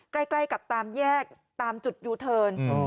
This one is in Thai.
ใกล้กับตามแยกตามจุดยูเทิร์น